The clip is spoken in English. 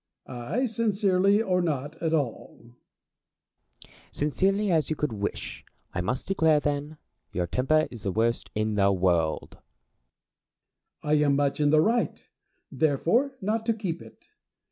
Ay, sincerely or not at all. Plato. Sincerely as you could wish, I must declare, then, your temper is the worst in the world. Diogenes. I am much in the right, therefore, not to keep it.